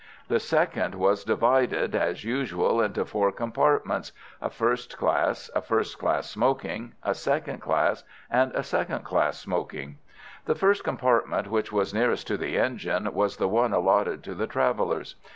The second was divided, as usual, into four compartments, a first class, a first class smoking, a second class, and a second class smoking. The first compartment, which was nearest to the engine, was the one allotted to the travellers.